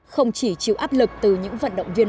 không chỉ chịu áp lực từ những vận động viên